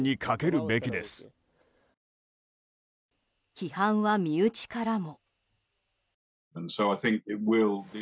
批判は身内からも。